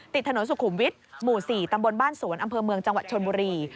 ถนนสุขุมวิทย์หมู่๔ตำบลบ้านสวนอำเภอเมืองจังหวัดชนบุรี